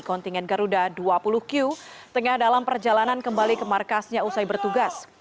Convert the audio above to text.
kontingen garuda dua puluh q tengah dalam perjalanan kembali ke markasnya usai bertugas